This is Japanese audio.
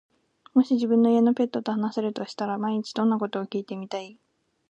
もし自分の家のペットと話せるとしたら、毎日どんなことを聞いてみたい？